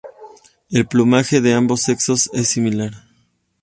El plumaje de ambos sexos es similar.